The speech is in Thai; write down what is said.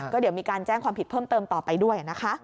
ก็เดี๋ยวมีการแจ้งความผิดเพิ่มเติมต่อไปด้วยนะคะ